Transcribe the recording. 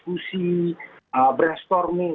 brainstorming bahkan membahas tentang pemerintah ini ya